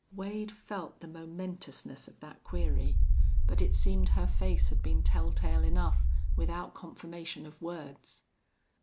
Wade felt the momentousness of that query, but it seemed her face had been telltale enough, without confirmation of words.